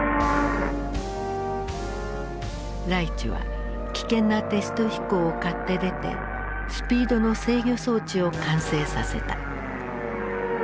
ライチュは危険なテスト飛行を買って出てスピードの制御装置を完成させた。